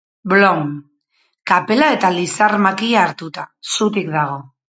Bloom, kapela eta lizar-makila hartuta, zutik dago.